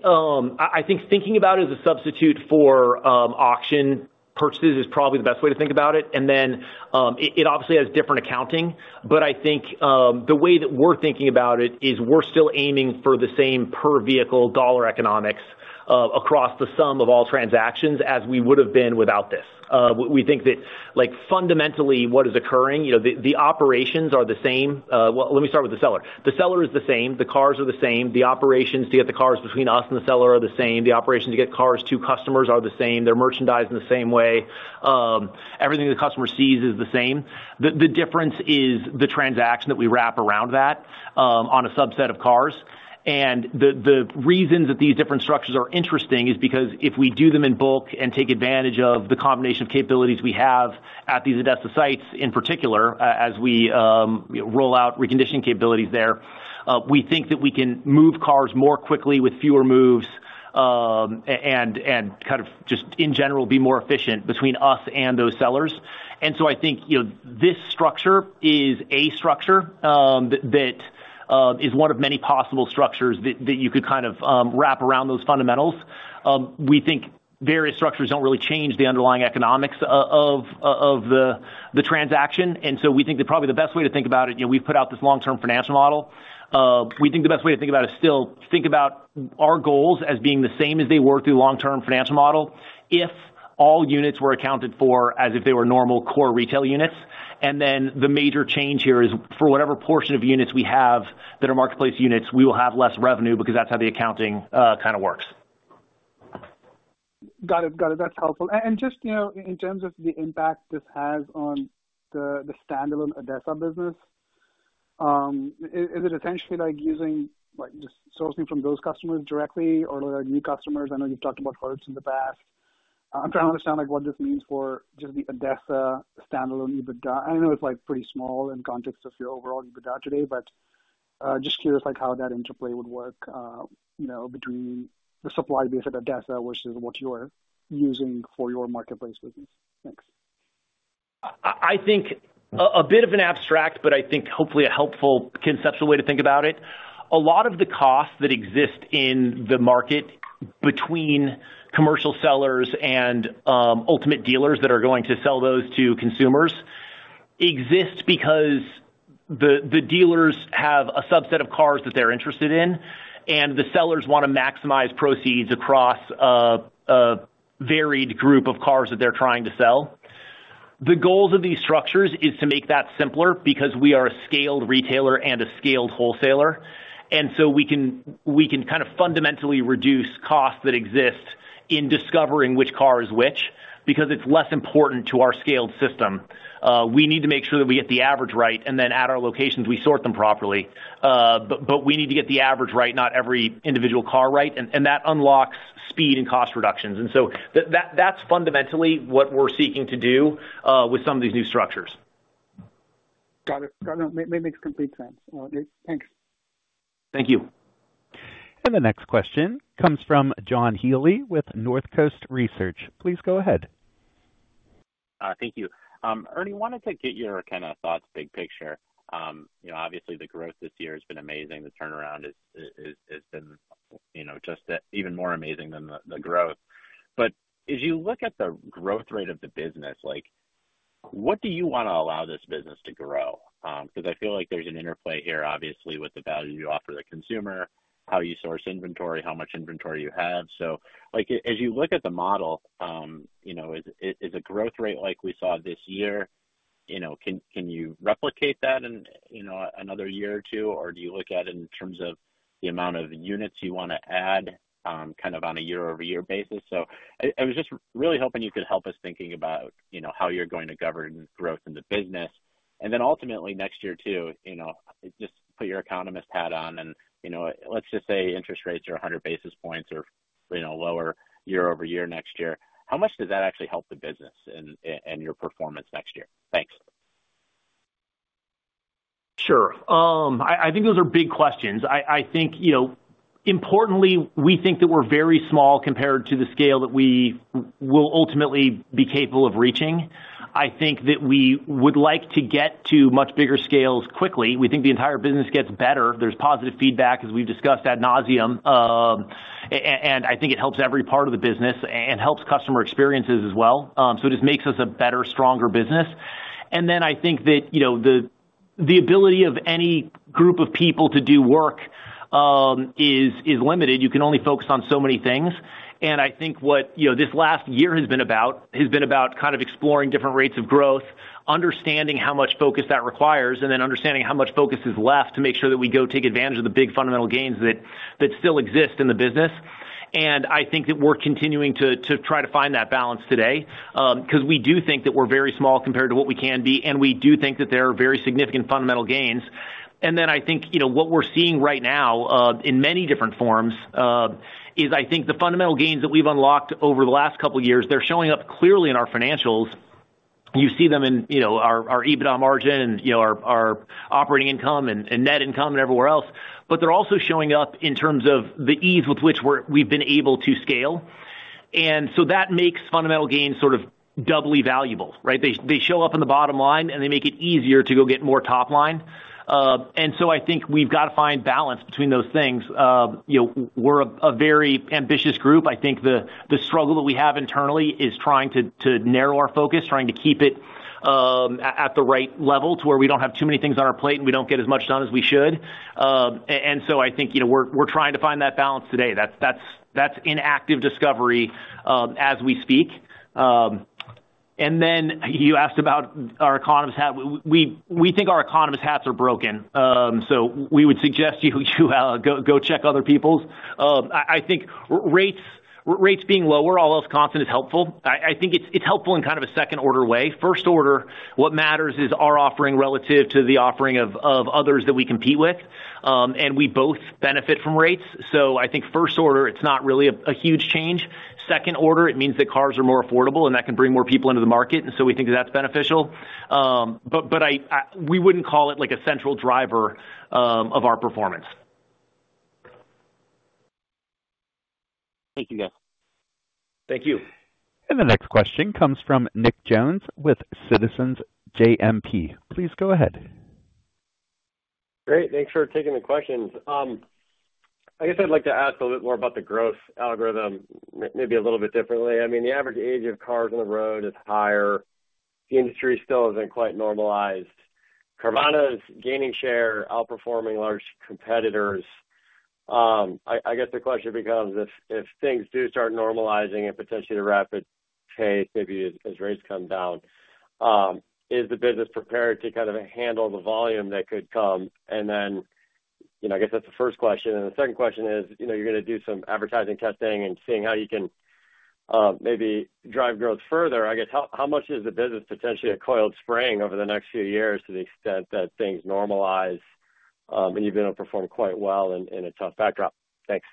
thinking about it as a substitute for auction purchases is probably the best way to think about it. And then it obviously has different accounting, but I think the way that we're thinking about it is we're still aiming for the same per-vehicle dollar economics across the sum of all transactions as we would have been without this. We think that fundamentally what is occurring, the operations are the same. Well, let me start with the seller. The seller is the same. The cars are the same. The operations to get the cars between us and the seller are the same. The operations to get cars to customers are the same. They're merchandised in the same way. Everything the customer sees is the same. The difference is the transaction that we wrap around that on a subset of cars. The reasons that these different structures are interesting is because if we do them in bulk and take advantage of the combination of capabilities we have at these ADESA sites in particular as we roll out reconditioning capabilities there, we think that we can move cars more quickly with fewer moves and kind of just in general be more efficient between us and those sellers. So I think this structure is a structure that is one of many possible structures that you could kind of wrap around those fundamentals. We think various structures don't really change the underlying economics of the transaction. So we think that probably the best way to think about it, we've put out this long-term financial model. We think the best way to think about it is still think about our goals as being the same as they were through long-term financial model if all units were accounted for as if they were normal core retail units, and then the major change here is for whatever portion of units we have that are marketplace units. We will have less revenue because that's how the accounting kind of works. Got it. Got it. That's helpful. And just in terms of the impact this has on the standalone ADESA business, is it essentially like using just sourcing from those customers directly or are there new customers? I know you've talked about Hertz in the past. I'm trying to understand what this means for just the ADESA standalone EBITDA. I know it's pretty small in context of your overall EBITDA today, but just curious how that interplay would work between the supply base at ADESA, which is what you're using for your marketplace business. Thanks. I think a bit of an abstract, but I think hopefully a helpful conceptual way to think about it. A lot of the costs that exist in the market between commercial sellers and ultimate dealers that are going to sell those to consumers exist because the dealers have a subset of cars that they're interested in, and the sellers want to maximize proceeds across a varied group of cars that they're trying to sell. The goals of these structures are to make that simpler because we are a scaled retailer and a scaled wholesaler. And so we can kind of fundamentally reduce costs that exist in discovering which car is which because it's less important to our scaled system. We need to make sure that we get the average right, and then at our locations, we sort them properly. But we need to get the average right, not every individual car right. And that unlocks speed and cost reductions. And so that's fundamentally what we're seeking to do with some of these new structures. Got it. Got it. That makes complete sense. Thanks. Thank you. The next question comes from John Healy with North Coast Research. Please go ahead. Thank you. Ernie, I wanted to get your kind of thoughts, big picture. Obviously, the growth this year has been amazing. The turnaround has been just even more amazing than the growth. But as you look at the growth rate of the business, what do you want to allow this business to grow? Because I feel like there's an interplay here, obviously, with the value you offer the consumer, how you source inventory, how much inventory you have. So as you look at the model, is a growth rate like we saw this year, can you replicate that in another year or two, or do you look at it in terms of the amount of units you want to add kind of on a year-over-year basis? So I was just really hoping you could help us thinking about how you're going to govern growth in the business. Then ultimately, next year too, just put your economist hat on, and let's just say interest rates are 100 basis points or lower year-over-year next year. How much does that actually help the business and your performance next year? Thanks. Sure. I think those are big questions. I think importantly, we think that we're very small compared to the scale that we will ultimately be capable of reaching. I think that we would like to get to much bigger scales quickly. We think the entire business gets better. There's positive feedback, as we've discussed, ad nauseam. And I think it helps every part of the business and helps customer experiences as well. So it just makes us a better, stronger business. And then I think that the ability of any group of people to do work is limited. You can only focus on so many things. I think what this last year has been about kind of exploring different rates of growth, understanding how much focus that requires, and then understanding how much focus is left to make sure that we go take advantage of the big fundamental gains that still exist in the business. I think that we're continuing to try to find that balance today because we do think that we're very small compared to what we can be, and we do think that there are very significant fundamental gains. I think what we're seeing right now in many different forms is the fundamental gains that we've unlocked over the last couple of years. They're showing up clearly in our financials. You see them in our EBITDA margin and our operating income and net income and everywhere else. But they're also showing up in terms of the ease with which we've been able to scale. And so that makes fundamental gains sort of doubly valuable, right? They show up in the bottom line, and they make it easier to go get more top line. And so I think we've got to find balance between those things. We're a very ambitious group. I think the struggle that we have internally is trying to narrow our focus, trying to keep it at the right level to where we don't have too many things on our plate and we don't get as much done as we should. And so I think we're trying to find that balance today. That's in active discovery as we speak. And then you asked about our economist hat. We think our economist hats are broken. So we would suggest you go check other people's. I think rates being lower, all else constant, is helpful. I think it's helpful in kind of a second-order way. First order, what matters is our offering relative to the offering of others that we compete with, and we both benefit from rates, so I think first order, it's not really a huge change. Second order, it means that cars are more affordable, and that can bring more people into the market, and so we think that that's beneficial, but we wouldn't call it like a central driver of our performance. Thank you, guys. Thank you. The next question comes from Nick Jones with Citizens JMP. Please go ahead. Great. Thanks for taking the questions. I guess I'd like to ask a little bit more about the growth algorithm, maybe a little bit differently. I mean, the average age of cars on the road is higher. The industry still hasn't quite normalized. Carvana is gaining share, outperforming large competitors. I guess the question becomes, if things do start normalizing at potentially a rapid pace, maybe as rates come down, is the business prepared to kind of handle the volume that could come? And then I guess that's the first question. And the second question is, you're going to do some advertising testing and seeing how you can maybe drive growth further. I guess how much is the business potentially a coiled spring over the next few years to the extent that things normalize and you've been able to perform quite well in a tough backdrop? Thanks.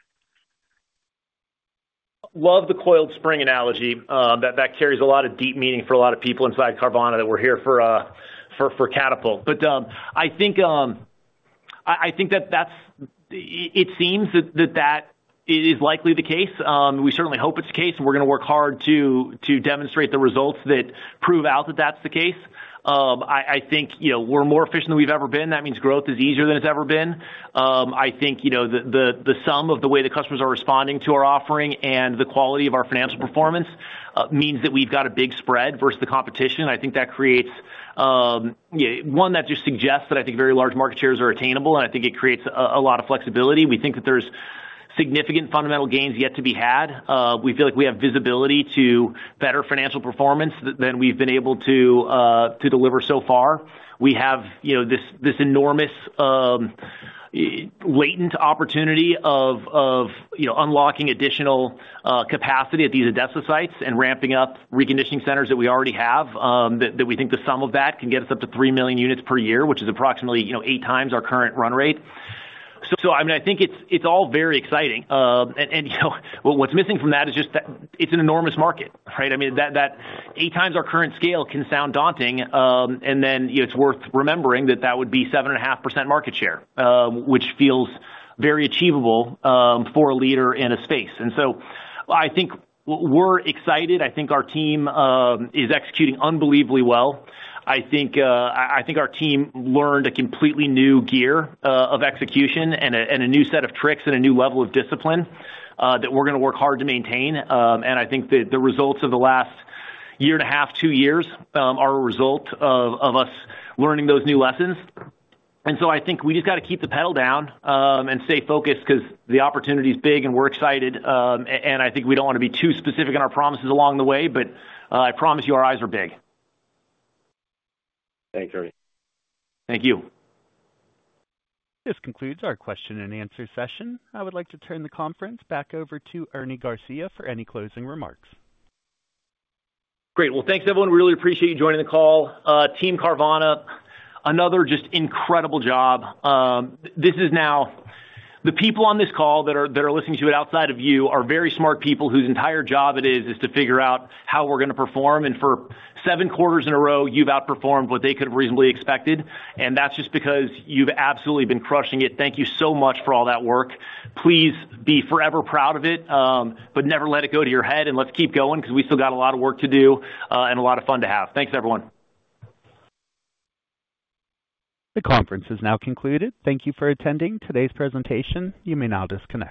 Love the coiled spring analogy. That carries a lot of deep meaning for a lot of people inside Carvana that were here for Catapult. But I think that it seems that that is likely the case. We certainly hope it's the case, and we're going to work hard to demonstrate the results that prove out that that's the case. I think we're more efficient than we've ever been. That means growth is easier than it's ever been. I think the sum of the way the customers are responding to our offering and the quality of our financial performance means that we've got a big spread versus the competition. I think that creates one, that just suggests that I think very large market shares are attainable, and I think it creates a lot of flexibility. We think that there's significant fundamental gains yet to be had. We feel like we have visibility to better financial performance than we've been able to deliver so far. We have this enormous latent opportunity of unlocking additional capacity at these ADESA sites and ramping up reconditioning centers that we already have, that we think the sum of that can get us up to 3 million units per year, which is approximately eight times our current run rate. So I mean, I think it's all very exciting. And what's missing from that is just that it's an enormous market, right? I mean, that eight times our current scale can sound daunting, and then it's worth remembering that that would be 7.5% market share, which feels very achievable for a leader in a space. And so I think we're excited. I think our team is executing unbelievably well. I think our team learned a completely new gear of execution and a new set of tricks and a new level of discipline that we're going to work hard to maintain. And I think that the results of the last year and a half, two years are a result of us learning those new lessons. And so I think we just got to keep the pedal down and stay focused because the opportunity is big and we're excited. And I think we don't want to be too specific in our promises along the way, but I promise you our eyes are big. Thanks, Ernie. Thank you. This concludes our question and answer session. I would like to turn the conference back over to Ernie Garcia for any closing remarks. Great. Well, thanks, everyone. We really appreciate you joining the call. Team Carvana, another just incredible job. This is now the people on this call that are listening to it, outside of you, are very smart people whose entire job it is to figure out how we're going to perform, and for seven quarters in a row, you've outperformed what they could have reasonably expected, and that's just because you've absolutely been crushing it. Thank you so much for all that work. Please be forever proud of it, but never let it go to your head, and let's keep going because we still got a lot of work to do and a lot of fun to have. Thanks, everyone. The conference is now concluded. Thank you for attending today's presentation. You may now disconnect.